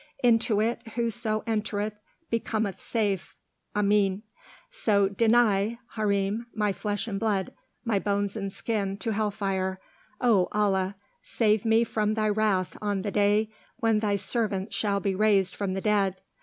Into it whoso entereth becometh safe (Amin). So deny (Harrim) my flesh and blood, my bones and skin, to hell fire. O Allah! Save me from thy wrath on the day when thy servants shall be raised from the dead.